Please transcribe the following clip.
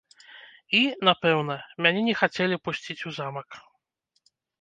І, напэўна, мяне не хацелі пусціць у замак.